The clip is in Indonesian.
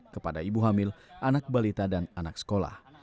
kepada ibu hamil anak balita dan anak sekolah